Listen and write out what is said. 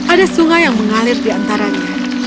ada sungai yang mengalir di antaranya